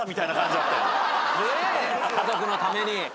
家族のために。